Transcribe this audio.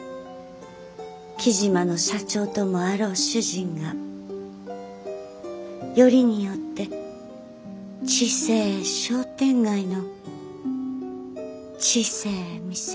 雉真の社長ともあろう主人がよりによって小せえ商店街の小せえ店で。